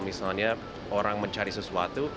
misalnya orang mencari sesuatu